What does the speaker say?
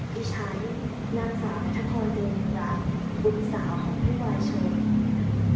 พิชัยนางสาวพระทะคอนเตรียมรักบุญสาวของผู้ว่ายชน